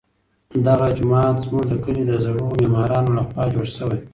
دغه جومات زموږ د کلي د زړو معمارانو لخوا جوړ شوی.